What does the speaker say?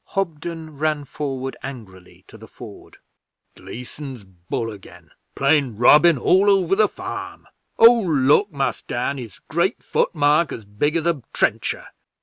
Hobden ran forward angrily to the ford. 'Gleason's bull again, playin' Robin all over the Farm! Oh, look, Mus' Dan his great footmark as big as a trencher.